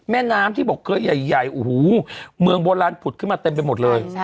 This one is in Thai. แม่น้ำที่บอกเคยใหญ่โอ้โหเมืองโบราณผุดขึ้นมาเต็มไปหมดเลย